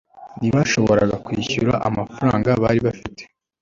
ntibashoboraga kwishyura amafaranga bari bafite